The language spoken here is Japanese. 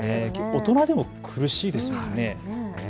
大人でも苦しいですよね。